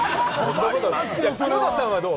黒田さんはどう？